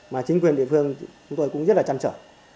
mà chính quyền địa phương chúng tôi cũng rất là chăm chở